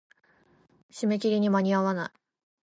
締め切りに間に合わない。